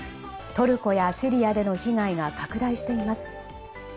トルコやシリアでの被害が拡大しています。